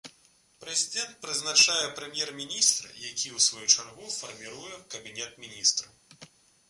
Прэзідэнт прызначае прэм'ер-міністра, які ў сваю чаргу фарміруе кабінет міністраў.